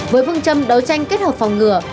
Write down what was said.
với phương châm đấu tranh kết hợp phòng ngừa